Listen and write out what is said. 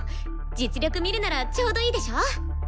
実力見るならちょうどいいでしょ？